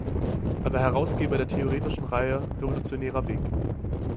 Er war Herausgeber der theoretischen Reihe "Revolutionärer Weg".